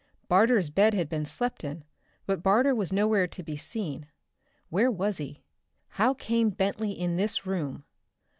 Barter's bed had been slept in, but Barter was nowhere to be seen. Where was he? How came Bentley in this room?